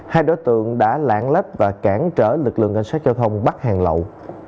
hai đối tượng đã lãng lách và cản trở lực lượng ngân sát giao thông bắt hàng lậu